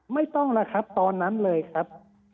ไม่ต้องแล้วครับตอนนั้นเลยครับ